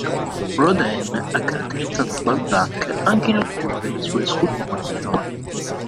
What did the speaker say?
Rodin ha caratterizzato Balzac anche in alcune delle sue sculture minori.